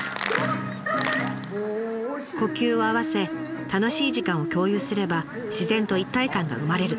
呼吸を合わせ楽しい時間を共有すれば自然と一体感が生まれる。